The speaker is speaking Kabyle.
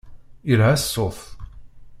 Yelha ṣṣut.